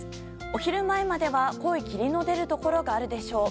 お昼前までは濃い霧の出るところがあるでしょう。